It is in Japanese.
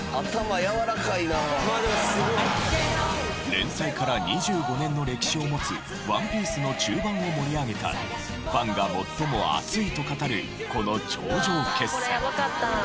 連載から２５年の歴史を持つ『ＯＮＥＰＩＥＣＥ』の中盤を盛り上げたファンが最も熱いと語るこの頂上決戦。